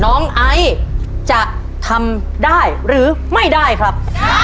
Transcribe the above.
ไอซ์จะทำได้หรือไม่ได้ครับ